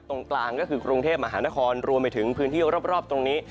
ตรงกลางก็คือกรุงเทพมหานครรวมไปถึงพื้นที่รอบตรงนี้